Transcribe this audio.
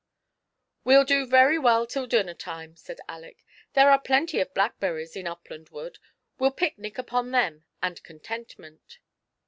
*' We'll do very well till dinner time," said Aleck ; "there are plenty of blackberries in Upland Wood; we'll picnic upon them and contentment."